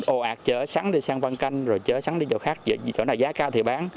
ồ ạt chở sắn đi sang văn canh rồi chở sắn đi chỗ khác chỗ nào giá cao thì bán